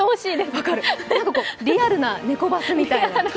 分かる、リアルな猫バスみたいな。